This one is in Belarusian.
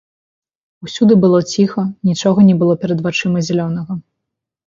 Усюды было ціха, нічога не было перад вачыма зялёнага.